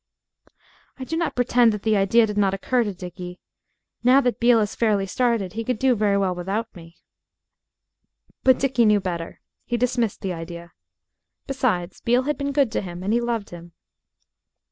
I do not pretend that the idea did not occur to Dickie, "Now that Beale is fairly started he could do very well without me." But Dickie knew better. He dismissed the idea. Besides, Beale had been good to him and he loved him.